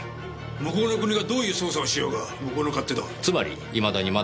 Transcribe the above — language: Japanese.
向こうの国がどういう捜査をしようが向こうの勝手だ。